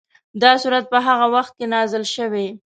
دا سورت په هغه وخت کې نازل شوی.